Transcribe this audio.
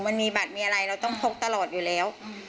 มันมีบัตรมีอะไรเราต้องพกตลอดอยู่แล้ว